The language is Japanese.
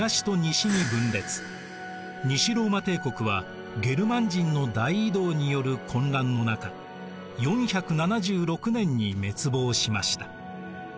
西ローマ帝国はゲルマン人の大移動による混乱の中４７６年に滅亡しました。